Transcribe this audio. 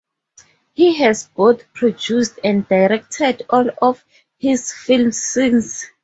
He has both produced and directed all of his films since.